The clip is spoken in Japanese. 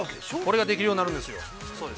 ◆これが、できるようになるんですよ。